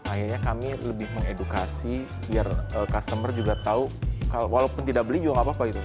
akhirnya kami lebih mengedukasi biar customer juga tahu walaupun tidak beli juga nggak apa apa gitu